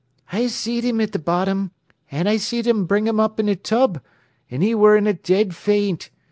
"I seed him at th' bottom. An' I seed 'em bring 'im up in a tub, an' 'e wor in a dead faint.